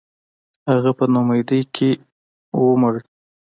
• هغه په ناامیدۍ کې ومړ.